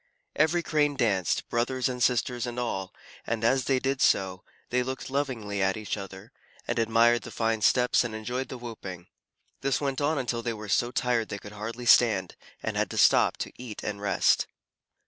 Every Crane danced, brothers, and sisters, and all, and as they did so, they looked lovingly at each other, and admired the fine steps and enjoyed the whooping. This went on until they were so tired they could hardly stand, and had to stop to eat and rest.